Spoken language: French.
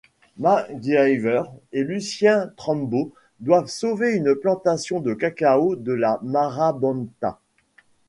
MacGyver et Lucien Trumbo doivent sauver une plantation de cacao de la Marabunta.